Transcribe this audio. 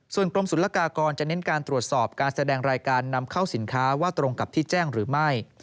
ส่วนกรมศุลกากรจะเน้นการตรวจสอบการแสดงรายการนำเข้าสินค้าว่าตรงกับที่แจ้งหรือไม่